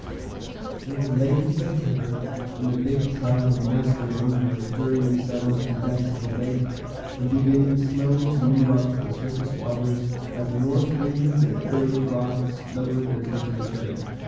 It was late in September, and the big trout and maskinonge were stirring themselves in the depths of the lake, and beginning slowly to move up to the surface waters as the north winds and early frosts lowered their temperature.